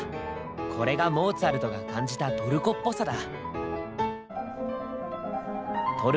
これがモーツァルトが感じたトルコっぽさだ。